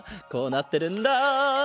こうなってるんだ。